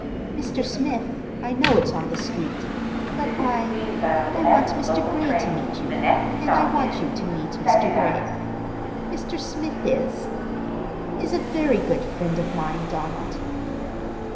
"Mr. Smith, I know it's on the street, but I—I want Mr. Gray to meet you, and I want you to meet Mr. Gray. Mr. Smith is—is a very good friend of mine, Donald."